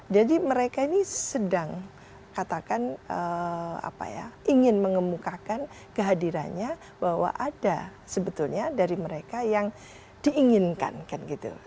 jadi mereka ini sedang katakan apa ya ingin mengemukakan kehadirannya bahwa ada sebetulnya dari mereka yang diinginkan gitu